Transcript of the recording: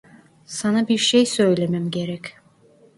Sana bir şey söylemem gerek.